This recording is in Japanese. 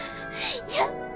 やった。